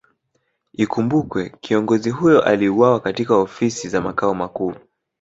Ikumbukwe kiongozi huyo aliuwawa katika Ofisi za Makao Makuu